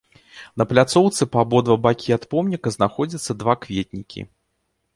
На пляцоўцы па абодва бакі ад помніка знаходзяцца два кветнікі.